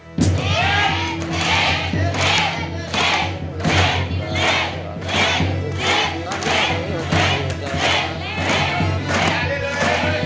เล่น